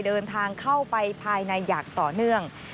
เดินทางเข้าไปภายในอย่างต่อเนื่อง